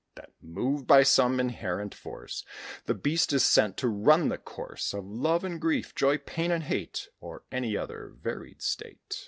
That, moved by some inherent force, The beast is sent to run the course Of love and grief, joy, pain, and hate, Or any other varied state.